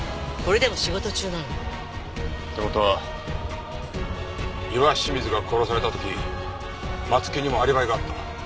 これでも仕事中なの。って事は岩清水が殺された時松木にもアリバイがあった。